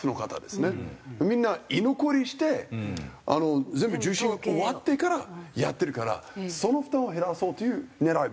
みんな居残りしてあの全部受診終わってからやってるからその負担を減らそうという狙い。